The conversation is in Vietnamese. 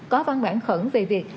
có văn bản khẩn về việc